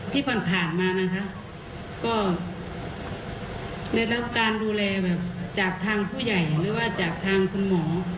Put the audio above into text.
ที่ผ่านมานะคะก็ได้รับการดูแลแบบจากทางผู้ใหญ่หรือว่าจากทางคุณหมอ